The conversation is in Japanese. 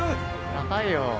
高いよ。